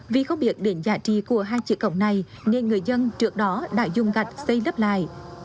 vì không biết điện giá trị của hai chiếc cổng này nên người dân trước đó đã dùng gạch xây lấp lại